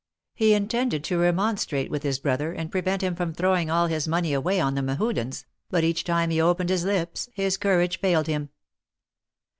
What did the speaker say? He intended to remonstrate with his brother, and prevent him from throwing all his money away on the Mehudens, but each time he opened his lips his courage failed him.